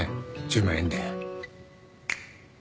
１０万円で。